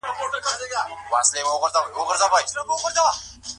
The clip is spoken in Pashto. که استدلال وي نو منطق نه کمزوری کیږي.